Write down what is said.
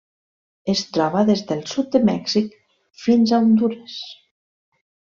Es troba des del sud de Mèxic fins a Hondures.